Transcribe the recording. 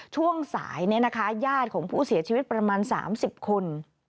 ช่วงสายญาติของผู้เสียชีวิตประมาณ๓๐คน